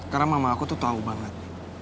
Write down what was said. karena mama aku tuh tahu banget